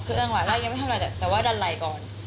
คือดันไหล่ละยังไม่ทำอะไรแต่ว่าดันไหล่ก่อน